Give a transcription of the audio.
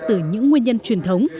từ những nguyên nhân truyền thống